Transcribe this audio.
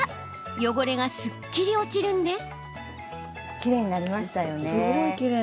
汚れがすっきり落ちるんです。